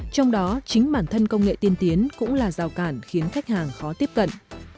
trong đó chính bản thân công nghệ tiên tiến cũng là rào cản khiến khách hàng khó tiếp cận